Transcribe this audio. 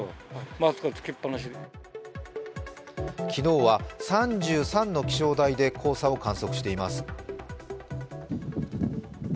昨日は３３の気象台で黄砂を観測しています。